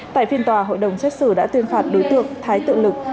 tại phiên tòa hội đồng xét xử đã tuyên phạt đối tượng thái tự lực